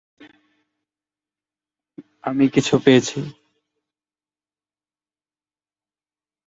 আমি কিছু পেয়েছি।